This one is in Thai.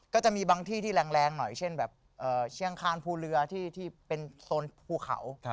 ก็จะมีบางที่ที่แรงหน่อยเช่นแบบเชียงคานภูเรือที่เป็นโซนภูเขา